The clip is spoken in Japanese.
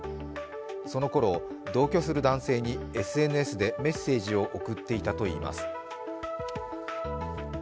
そのころ、同居する男性にＳＮＳでメッセージを送っていたといいます。